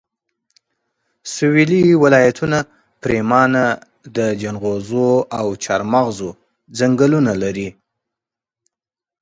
سويلي ولایتونه پرېمانه د جنغوزیو او چارمغزو ځنګلونه لري